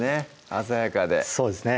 鮮やかでそうですね